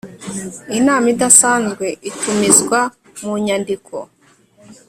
Inama idasanzwe itumizwa mu nyandiko.